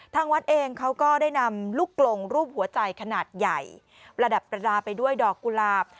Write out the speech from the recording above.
ทางวัดเองเขาก็ได้นำลูกกลงรูปหัวใจขนาดใหญ่ประดับประดาษไปด้วยดอกกุหลาบ